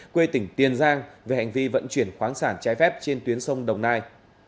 quê tỉnh tiền giang về hành vi vận chuyển khoáng sản trái phép trên tuyến sông đồng nai